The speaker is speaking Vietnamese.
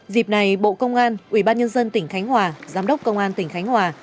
dịp này bộ công an ủy ban nhân dân tỉnh khánh hòa giám đốc công an tỉnh khánh hòa